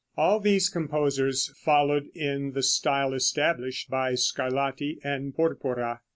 All these composers followed in the style established by Scarlatti and Porpora.